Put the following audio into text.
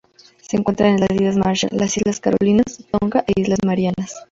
Se encuentran en las Islas Marshall, las Islas Carolinas, Tonga e Islas Marianas.